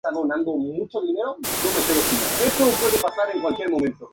Su hijo John fue un destacado abogado, juez, y miembro del Parlamento.